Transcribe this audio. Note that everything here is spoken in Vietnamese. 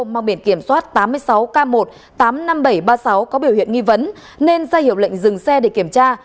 mang biển kiểm soát tám mươi sáu k một tám mươi năm nghìn bảy trăm ba mươi sáu có biểu hiện nghi vấn nên ra hiệu lệnh dừng xe để kiểm tra